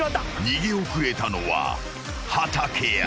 ［逃げ遅れたのは畠山］